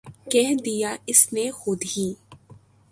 کہہ دیا اس نے خود ہی